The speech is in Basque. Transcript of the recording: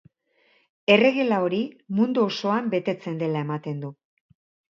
Erregela hori, mundu osoan betetzen dela ematen du.